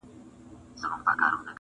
لکه جوړه له بلوړو مرغلینه-